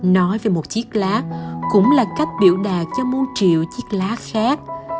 nói về một chiếc lá cũng là cách biểu đạt cho môn triệu chiếc lá khác